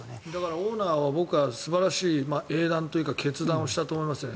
オーナーは素晴らしいというか英断をしたと思いますね。